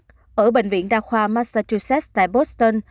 trung bình viện đa khoa massachusetts tại boston